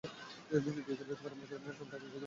সব ডাক্তারদেরই এটা থাকা উচিৎ।